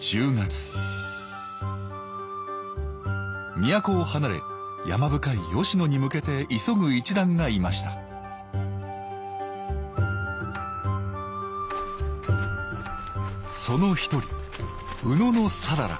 都を離れ山深い吉野に向けて急ぐ一団がいましたその一人野讃良。